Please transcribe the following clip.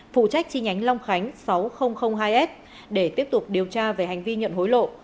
phụ trách chi nhánh long khánh sáu nghìn hai f để tiếp tục điều tra về hành vi nhận hối lộ